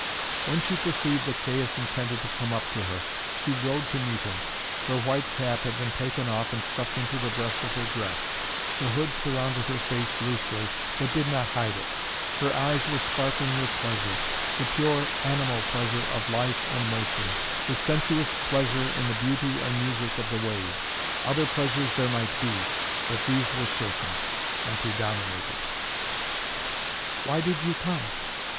When she perceived that Caius intended to come up to her, she rode to meet him. Her white cap had been taken off and stuffed into the breast of her dress; the hood surrounded her face loosely, but did not hide it; her eyes were sparkling with pleasure the pure animal pleasure of life and motion, the sensuous pleasure in the beauty and the music of the waves; other pleasures there might be, but these were certain, and predominated. "Why did you come?"